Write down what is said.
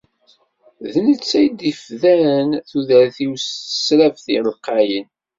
D netta i d-ifdan tudert-iw si tesraft lqayen.